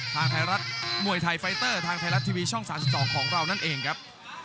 ทางไทยรัฐมวยไทยไฟเตอร์ทางไทยรัฐทีวีช่อง๓๒ของเรานั่นเองครับ